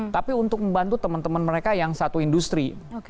tapi untuk membantu teman teman mereka yang satu industri